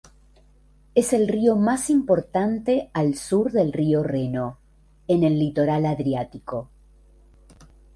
Es el río más importante al sur del río Reno, en el litoral adriático.